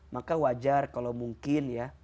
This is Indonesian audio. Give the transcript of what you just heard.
maka wajar kalau mungkin ya